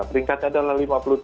peringkatnya adalah lima puluh tujuh